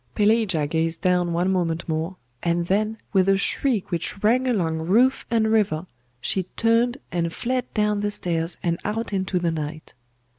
Pelagia gazed down one moment more, and then, with a shriek which rang along roof and river, she turned, and fled down the stairs and out into the night.